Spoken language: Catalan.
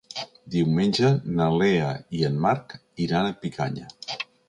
Diumenge na Lea i en Marc iran a Picanya.